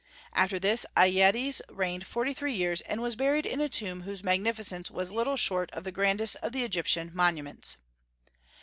After this, Alyattes reigned forty three years, and was buried in a tomb whose magnificence was little short of the grandest of the Egyptian monuments.